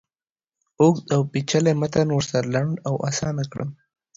اوږد اوپیچلی متن ورسره لنډ او آسانه کړم.